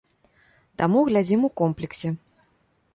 Таму глядзім у комплексе.